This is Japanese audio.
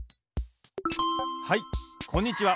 はいこんにちは！